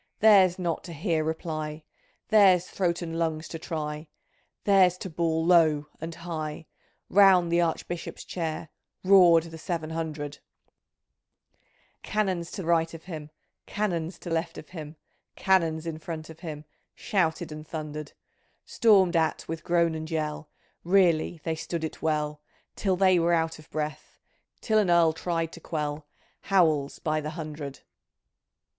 Theirs not to hear reply. Theirs throat and lungs to try. Theirs to bawl " Low " and " High," Round the Archbishop's chair Roared the seven hundred ! Canons to right of him, Canons to left of him. Canons in front of him. Shouted and thundered ! Stormed at with groan and yell, Really they stood it well, Till they were out of breath. Till an Earl tried to quell Howls by the hundred